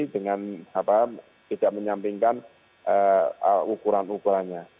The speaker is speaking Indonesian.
dengan tidak menyampingkan ukuran ukurannya